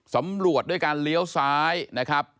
สำรวจด้วยการเลี้ยวซ้ายนะครับ